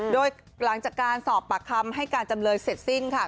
โดยหลังจากการสอบปากคำให้การจำเลยเสร็จสิ้นค่ะ